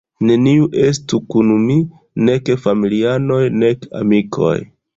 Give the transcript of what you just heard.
Neniu estu kun mi, nek familianoj nek amikoj.